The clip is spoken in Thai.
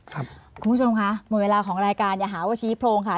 คุณผู้ชมคะหมดเวลาของรายการอย่าหาว่าชี้โพรงค่ะ